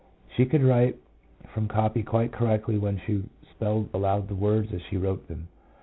She could write from copy quite correctly when she spelled aloud the words as she wrote them.